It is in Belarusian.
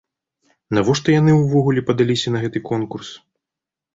Навошта яны ўвогуле падаліся на гэты конкурс?